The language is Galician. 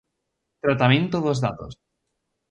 Tratamento dos datos.